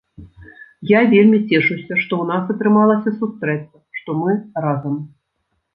Я вельмі цешуся, што у нас атрымалася сустрэцца, што мы разам.